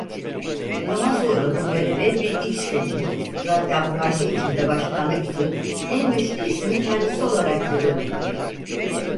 Daha sonra bu göreve Bilgiç seçildi zaten parti içinde başkanlık için en güçlü isim kendisi olarak görülmekteydi.